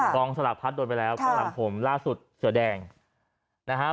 กองสลักพัดโดนไปแล้วก็หลังผมล่าสุดเสือแดงนะฮะ